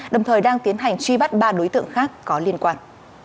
đồng thời đang tiến hành truy bắt ba đối tượng khác có liên quan